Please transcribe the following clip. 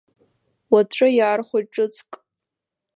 Уаҵәы иаархәоит ҿыцк.